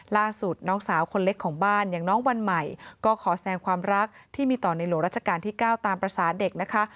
ล่าสุดน้องสาวคนเล็กของบ้านอย่างน้องวันใหม่ก็ขอแสดงความรักที่มีต่อในหลวงราชการที่๙ตามภาษาเด็กนะคะ